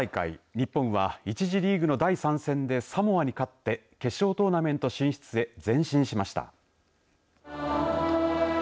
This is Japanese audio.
日本は１次リーグの第３戦でサモアに勝って決勝トーナメント進出へ前進しました。